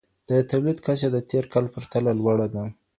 د توليد کچه د تېر کال په پرتله لوړه ده.